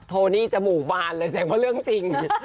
โทนี่จมูกบานเลยแสดงว่าเรื่องจริง